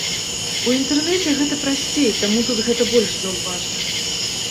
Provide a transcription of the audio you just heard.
У інтэрнэце гэта прасцей, таму тут гэта больш заўважна.